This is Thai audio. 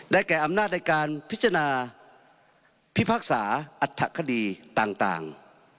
แก่อำนาจในการพิจารณาพิพากษาอัฐคดีต่าง